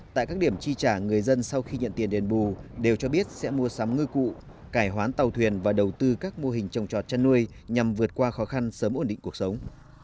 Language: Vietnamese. tại các điểm chi trả người dân sau khi nhận tiền đền bù đều cho biết sẽ mua sắm ngư cụ cải hoán tàu thuyền và đầu tư các mô hình trồng trọt chăn nuôi nhằm vượt qua khó khăn sớm ổn định cuộc sống